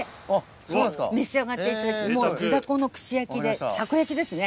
召し上がっていただく地ダコの串焼きでたこ焼きですね。